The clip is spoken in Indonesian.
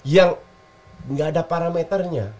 yang gak ada parameternya